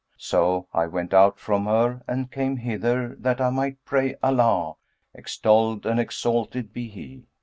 So I went out from her and came hither, that I might pray Allah (extolled and exalted be He!)